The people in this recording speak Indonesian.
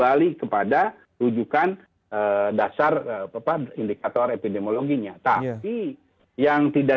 akhirnya dimulai untuk